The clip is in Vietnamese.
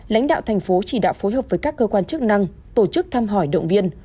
lãnh đạo thành phố chỉ đạo phối hợp với các cơ quan chức năng tổ chức thăm hỏi động viên